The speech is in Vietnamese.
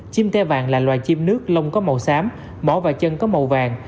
chim te vàng là loài chim nước lông có màu xám mỏ và chân có màu vàng